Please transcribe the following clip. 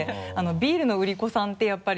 ビールの売り子さんてやっぱり。